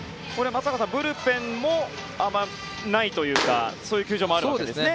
松坂さんブルペンもないというかそういう球場もあるわけですよね。